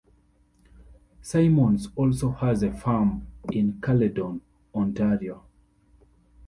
Symons also has a farm in Caledon, Ontario.